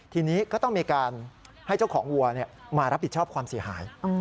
ทีนี้ก็ต้องมีการให้เจ้าของวัวมารับผิดชอบความเสียหาย